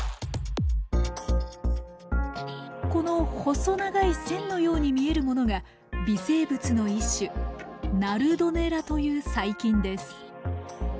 この細長い線のように見えるものが微生物の一種ナルドネラという細菌です。